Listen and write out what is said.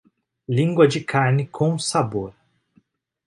Lingua de carne com sabor